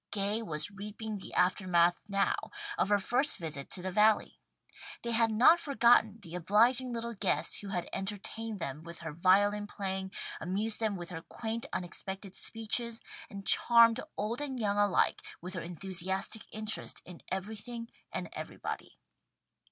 Gay was reaping the aftermath now, of her first visit to the Valley. They had not forgotten the obliging little guest who had entertained them with her violin playing, amused them with her quaint unexpected speeches, and charmed old and young alike with her enthusiastic interest in everything and everybody.